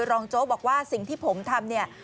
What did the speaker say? รองโจ้วบอกว่าสิ่งที่ผมทำ